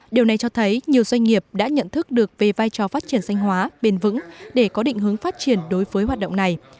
điều này cho thấy nhiều doanh nghiệp đã nhận thức được về vai trò phát triển xanh hóa bền vững để có định hướng phát triển đối với hoạt động này